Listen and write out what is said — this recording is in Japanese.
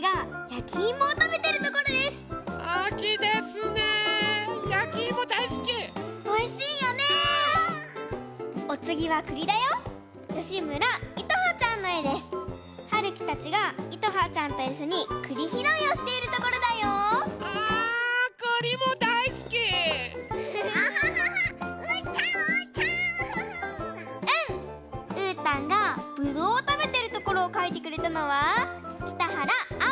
うーたんがぶどうをたべてるところをかいてくれたのはきたはらあ